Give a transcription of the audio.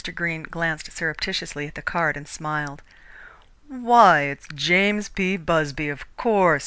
Greene glanced surreptitiously at the card and smiled. "Why, it's James P. Busby, of course!"